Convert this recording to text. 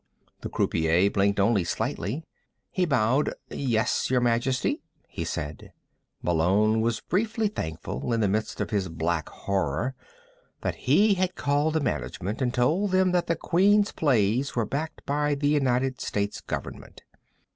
The croupier blinked only slightly. He bowed. "Yes, Your Majesty," he said. Malone was briefly thankful, in the midst of his black horror, that he had called the management and told them that the Queen's plays were backed by the United States Government.